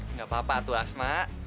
nggak apa apa tuh asma